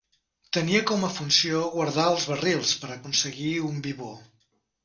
Tenia com a funció guardar els barrils, per aconseguir un vi bo.